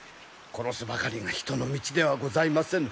殺すばかりが人の道ではございませぬ。